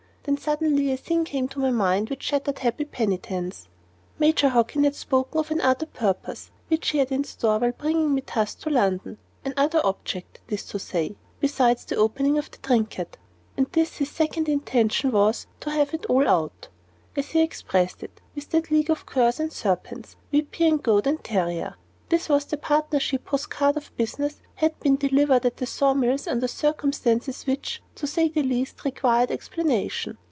Then suddenly a thing came to my mind which shattered happy penitence. Major Hockin had spoken of another purpose which he had in store while bringing me thus to London another object, that is to say, besides the opening of the trinket. And this his second intention was to "have it out," as he expressed it, "with that league of curs and serpents, Vypan, Goad, and Terryer." This was the partnership whose card of business had been delivered at the sawmills under circumstances which, to say the least, required explanation.